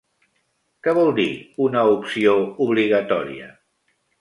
Què vol dir, una "opció obligatòria"?